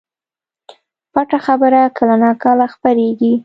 پټه خبره کله نا کله خپرېږي